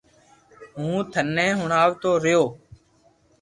ھون ٿني ھڻاوتو رھيو